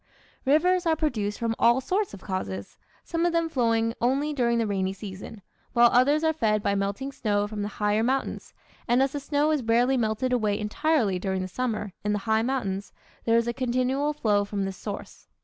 Rivers are produced from all sorts of causes, some of them flowing only during the rainy season, while others are fed by melting snow from the higher mountains, and as the snow is rarely melted away entirely during the summer, in the high mountains, there is a continual flow from this source.